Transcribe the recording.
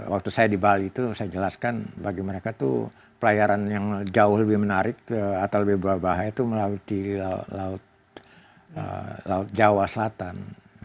waktu saya di bali itu saya jelaskan bagi mereka tuh pelayaran yang jauh lebih menarik atau lebih berbahaya itu melalui laut jawa selatan